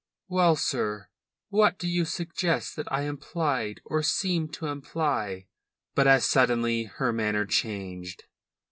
"Well, sir? What do you suggest that I implied or seemed to imply?" But as suddenly her manner changed.